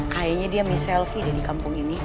kayaknya dia miss selfie di kampung ini